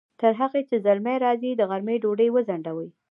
تر هغې چې زلمی راځي، د غرمې ډوډۍ وځڼډوئ!